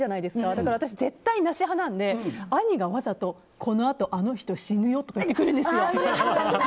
だから、私は絶対なし派なので兄がわざとこのあとあの人死ぬよとか言ってくるんですよ。